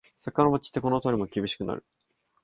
桜も散ってこの通りもさびしくなるな